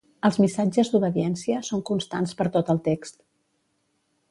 Els missatges d'obediència són constants per tot el text.